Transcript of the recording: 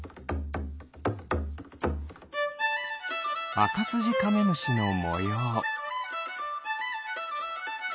アカスジカメムシのもよう。